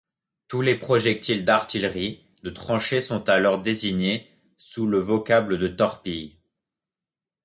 Tous les projectiles d'artillerie de tranchée sont alors désignés sous le vocable de torpille.